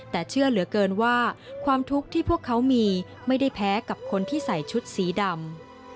แต่เชื่อเหลือเกินว่าความทุกข์ที่พวกเขามีไม่ได้แพ้กับคนที่ใส่ชุดสีดำ